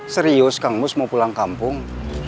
serius kang mus mau pulang kampung